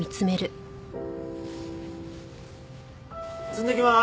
積んできます！